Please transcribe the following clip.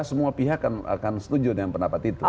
semua pihak akan setuju dengan pendapat itu